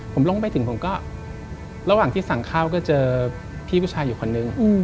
ผมลงไปถึงผมก็ระหว่างที่สั่งข้าวก็เจอพี่ผู้ชายอยู่คนนึง